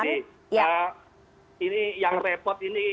jadi ini yang repot ini